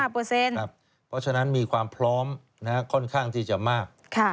เพราะฉะนั้นมีความพร้อมค่อนข้างที่จะมาก